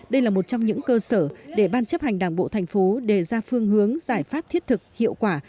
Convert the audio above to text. đây là một trong những cơ sở để ban chấp hành đảng bộ thành phố đề ra phương hướng giải pháp thiết thực hiệu quả